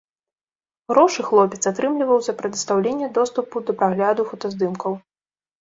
Грошы хлопец атрымліваў за прадастаўленне доступу да прагляду фотаздымкаў.